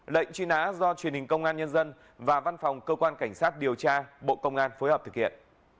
lệnh truy nã do truyền hình công an nhân dân và văn phòng cơ quan cảnh sát điều tra bộ công an phối hợp thực hiện